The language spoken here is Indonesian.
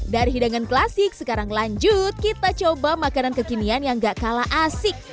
dari hidangan klasik sekarang lanjut kita coba makanan kekinian yang gak kalah asik